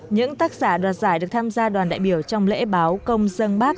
những tác giả đoạt giải được tham gia đoàn đại biểu trong lễ báo công dân bác